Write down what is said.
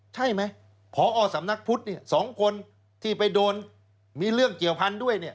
ใช่ไหมพอสำนักพุทธเนี่ย๒คนที่ไปโดนมีเรื่องเกี่ยวพันธุ์ด้วยเนี่ย